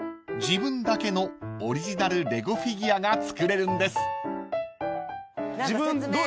自分だけのオリジナルレゴフィギュアが作れるんです］